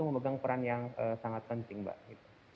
memegang peran yang sangat penting mbak